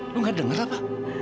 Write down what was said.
lu gak dengar apa